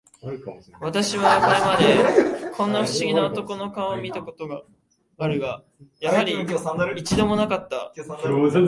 私はこれまで、こんな不思議な男の顔を見た事が、やはり、一度も無かった